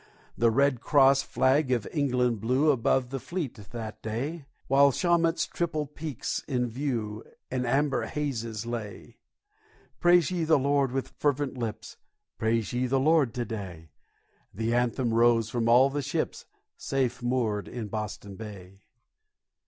The Red Cross flag of England blew Above the fleet that day, While Shawmut's triple peaks in view In amber hazes lay. "Praise ye the Lord with fervent lips, Praise ye the Lord to day," The anthem rose from all the ships Safe moored in Boston Bay.